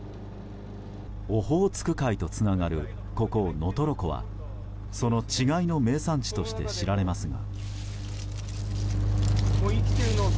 オホーツク海とつながるここ能取湖はその稚貝の名産地として知られますが。